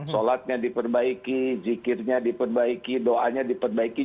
sholatnya diperbaiki zikirnya diperbaiki doanya diperbaiki